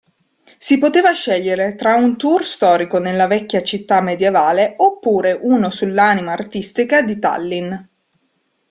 Si poteva scegliere tra un tour storico nella vecchia città medievale, oppure, uno sull'anima artistica di Tallinn.